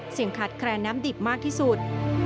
ขาดแคลนน้ำดิบมากที่สุด